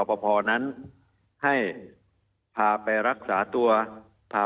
มีความรู้สึกว่ามีความรู้สึกว่า